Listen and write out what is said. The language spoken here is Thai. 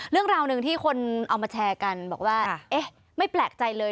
เรื่องราวหนึ่งที่คนเอามาแชร์กันบอกว่าเอ๊ะไม่แปลกใจเลย